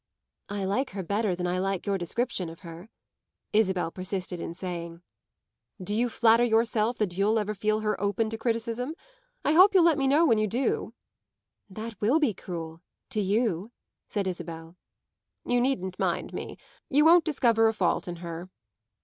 "I like her better than I like your description of her," Isabel persisted in saying. "Do you flatter yourself that you'll ever feel her open to criticism? I hope you'll let me know when you do." "That will be cruel to you," said Isabel. "You needn't mind me. You won't discover a fault in her."